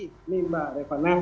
ini mbak repana